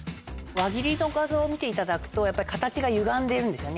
輪切りの画像を見ていただくとやっぱり形がゆがんでるんです。